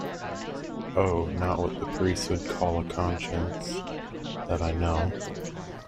Oh, not what the priests would call a conscience; that I know.